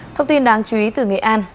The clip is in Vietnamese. thông tin đáng chú ý từ nghệ an